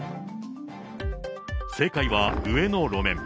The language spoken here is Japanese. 正解は上の路面。